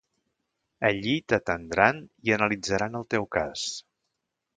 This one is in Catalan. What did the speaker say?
Allí t'atendran i analitzaran el teu cas.